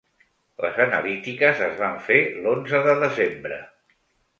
Les analítiques es van fer l’onze de desembre.